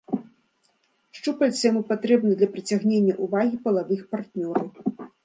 Шчупальцы яму патрэбны для прыцягнення ўвагі палавых партнёраў.